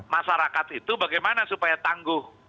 masyarakat itu bagaimana supaya tangguh